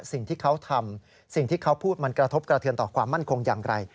สิ่งที่เขาทำสิ่งที่เขาพูดมันกระทบกระเทือนต่อความมั่นคงอย่างไร